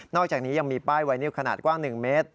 อกจากนี้ยังมีป้ายไวนิวขนาดกว้าง๑เมตร